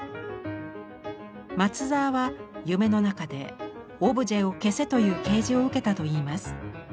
松澤は夢の中で「オブジェを消せ」という啓示を受けたといいます。